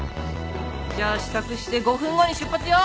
じゃあ支度して５分後に出発よ。